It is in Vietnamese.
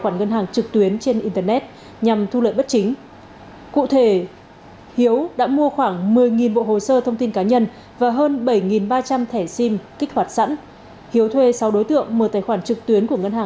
nguyễn văn hiếu mua khoảng tám bộ hồ sơ thông tin cá nhân bốn thẻ sim kích hoạt sẵn